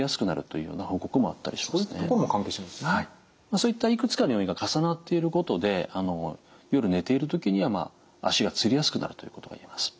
そういったいくつかの要因が重なっていることで夜寝ている時には足がつりやすくなるということが言えます。